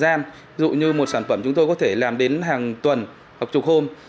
thì rất nhiều thời gian dù như một sản phẩm chúng tôi có thể làm đến hàng tuần hoặc chục hôm